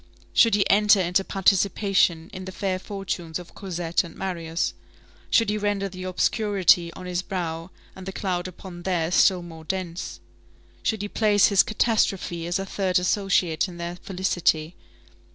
Should he enter into participation in the fair fortunes of Cosette and Marius? Should he render the obscurity on his brow and the cloud upon theirs still more dense? Should he place his catastrophe as a third associate in their felicity?